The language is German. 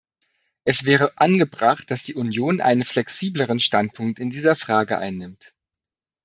Es wäre angebracht, dass die Union einen flexibleren Standpunkt in dieser Frage einnimmt.